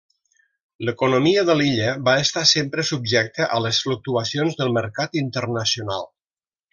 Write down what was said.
L'economia de l'illa va estar sempre subjecta a les fluctuacions del mercat internacional.